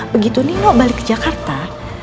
begitu nino balik ke jakarta